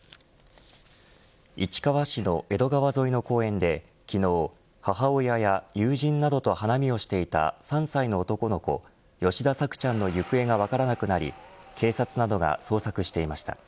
市川市の江戸川沿いの公園で昨日、母親や友人などと花見をしていた３歳の男の子吉田朔ちゃんの行方がわからなくなり警察などが捜索していました。